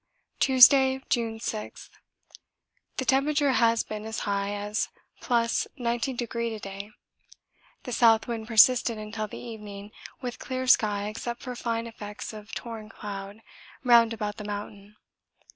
Tuesday, June 6. The temperature has been as high as +19° to day; the south wind persisted until the evening with clear sky except for fine effects of torn cloud round about the mountain.